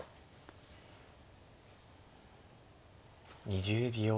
２０秒。